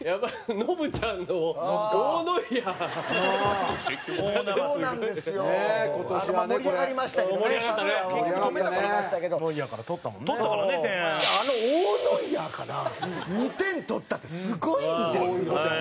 ノブ：あの大ノイアーから２点取ったってすごいんですよ。